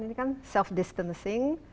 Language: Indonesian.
ini kan self distancing